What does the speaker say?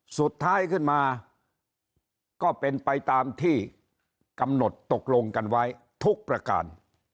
สุดท้ายขึ้นมาก็เป็นไปตามที่กำหนดตกลงกันไว้ทุกประการ